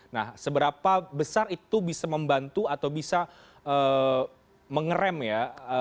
nah seberapa besar itu bisa membantu atau bisa mengerem ya